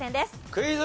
クイズ。